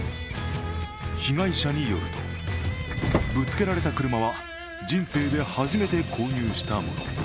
被害者によると、ぶつけられた車は人生で初めて購入したもの。